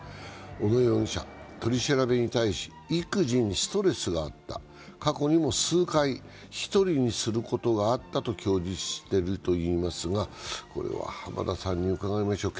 小野容疑者、取り調べに対し、育児にストレスがあった、過去にも数回、１人にすることがあったと供述しているといいますが、これは浜田さんに伺いましょう。